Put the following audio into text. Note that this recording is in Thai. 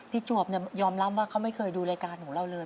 จวบยอมรับว่าเขาไม่เคยดูรายการของเราเลย